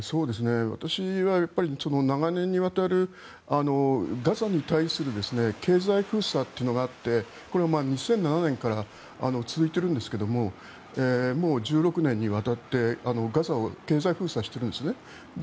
私はやっぱり長年にわたるガザに対する経済封鎖というのがあってこれは２００７年から続いているんですがもう１６年にわたってガザを経済封鎖しているんですね。